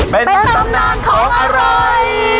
เป็นตำนานของอร่อย